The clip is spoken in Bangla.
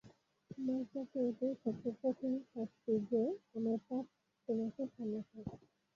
আমার পক্ষে এইটেই সব চেয়ে কঠিন শাস্তি যে, আমার পাপ তোমাকে সামলাতে হচ্ছে।